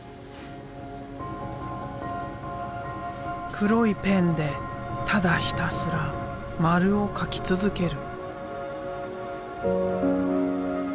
黒いペンでただひたすら丸を描き続ける。